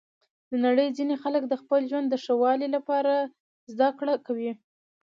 د نړۍ ځینې خلک د خپل ژوند د ښه والي لپاره زده کړه کوي.